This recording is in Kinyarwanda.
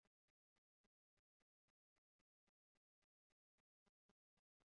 Ndeke kuyikorera nkiyituye